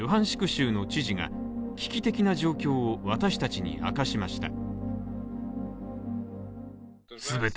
州の知事が危機的な状況を私たちに明かしました。